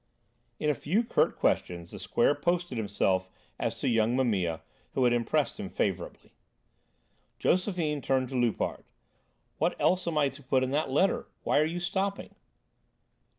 In a few curt questions the Square posted himself as to young Mimile, who had impressed him favourably. Josephine turned to Loupart: "What else am I to put in the letter? Why are you stopping?"